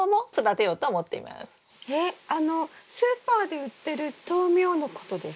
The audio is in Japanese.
えっあのスーパーで売ってる豆苗のことですか？